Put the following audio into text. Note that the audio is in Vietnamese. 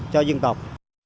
cho dân tộc